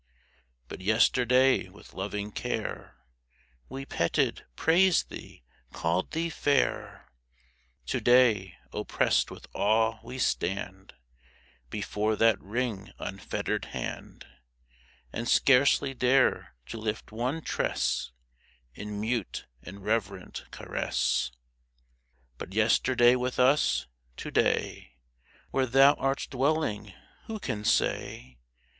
But yesterday with loving care We petted, praised thee, called thee fair ; To day, oppressed with awe, we stand Before that ring unfettered hand, And scarcely dare to lift one tress In mute and reverent caress. But yesterday with us. To day Where thou art dwelling, who can say